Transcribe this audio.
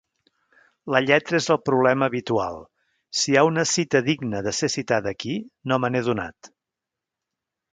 La lletra és el problema habitual; si hi ha una cita digna de ser citada aquí, no me n'he adonat.